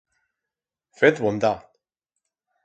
Fez bondat!